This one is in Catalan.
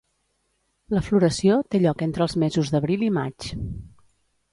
La floració té lloc entre els mesos d'abril i maig.